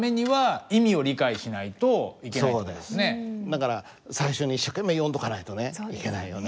だから最初に一生懸命読んどかないとねいけないよね。